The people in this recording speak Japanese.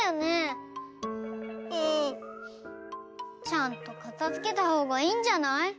ちゃんとかたづけたほうがいいんじゃない？